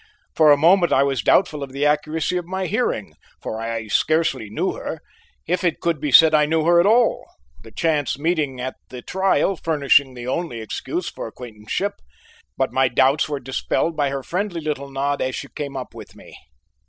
For a moment I was doubtful of the accuracy of my hearing, for I scarcely knew her, if it could be said I knew her at all, the chance meeting at the trial furnishing the only excuse for acquaintanceship; but my doubts were dispelled by her friendly little nod as she came up with me.